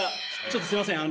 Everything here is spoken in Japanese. ちょっとすいません